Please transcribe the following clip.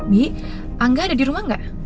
bi angga ada dirumah gak